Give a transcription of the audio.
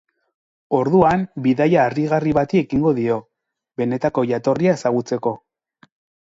Orduan, bidaia harrigarri bati ekingo dio, benetako jatorria ezagutzeko.